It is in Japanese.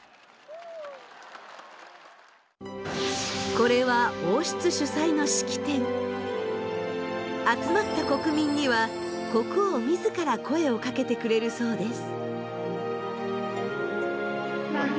これは集まった国民には国王自ら声をかけてくれるそうです。